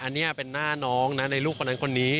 อันนี้เป็นหน้าน้องนะในลูกคนนั้นคนนี้